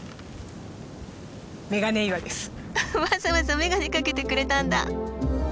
わざわざメガネかけてくれたんだ。